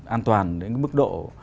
an toàn đến mức độ